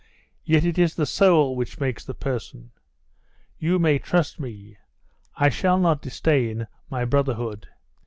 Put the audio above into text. yet it is the soul which makes the person. You may trust me, I shall not disdain my brotherhood.